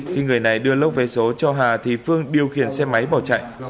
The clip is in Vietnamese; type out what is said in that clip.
khi người này đưa lốc vé số cho hà thì phương điều khiển xe máy bỏ chạy